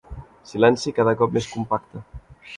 Silenci cada cop més compacte.